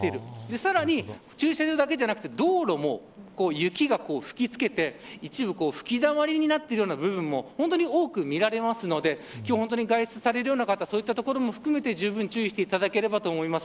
さらに駐車場だけではなく道路も雪が吹きつけて一部吹きだまりになっている部分も本当に多く見られますので外出されるような方そういった所も含めて注意していただければと思います。